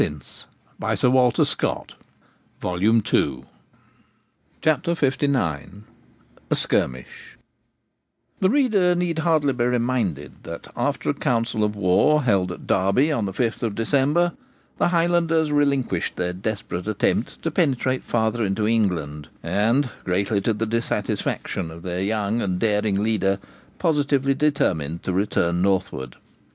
c'est le grand jeu, apres tout.' CHAPTER LIX A SKIRMISH Theeader need hardly be reminded that, after a council of war held at Derby on the 5th of December, the Highlanders relinquished their desperate attempt to penetrate farther into England, and, greatly to the dissatisfaction of their young and daring leader, positively determined to return northward.